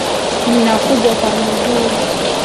Ninakuja kwa miguu.